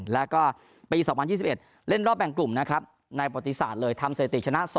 แล้วก็ปี๒๐๒๑เล่นรอบแบ่งกลุ่มนะครับในประวัติศาสตร์เลยทำสถิติชนะ๒